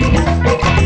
masih gak diangkat